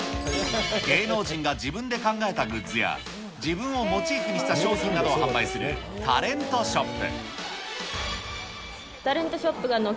芸能人が自分で考えたグッズや、自分をモチーフにした商品などを販売するタレントショップ。